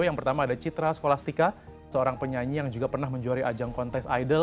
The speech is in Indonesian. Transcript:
yang pertama ada citra skolastika seorang penyanyi yang juga pernah menjuari ajang kontes idol